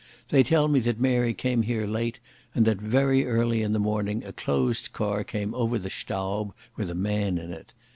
They tell me that Mary came here late, and that very early in the morning a closed car came over the Staub with a man in it.